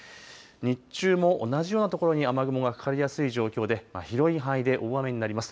日中も同じような所に雨雲がかかりやすい状況で広い範囲で大雨になります。